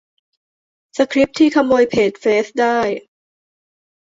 - สคริปต์ที่ขโมยเพจเฟซได้